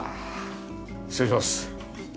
失礼します。